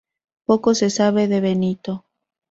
Poco se sabe de Benito.